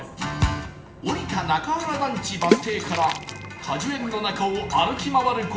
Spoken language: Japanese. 降りた中原団地バス停から果樹園の中を歩き回る事